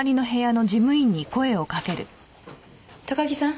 高木さん。